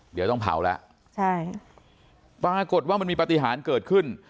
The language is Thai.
เดี๋ยวต้องเผาแล้วใช่ปรากฏว่ามันมีปฏิหารเกิดขึ้น